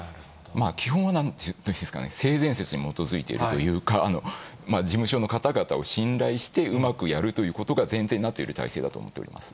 基本はなんていうんですかね、性善説に基づいているというか、事務所の方々を信頼して、うまくやるということが前提になっている体制だと思っております。